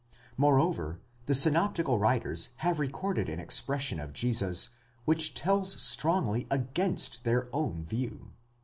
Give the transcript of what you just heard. Moreover the synop tical writers have recorded an expression of Jesus which tells strongly against their own view.